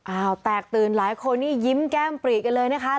แตกตื่นหลายคนนี่ยิ้มแก้มปรีกันเลยนะคะ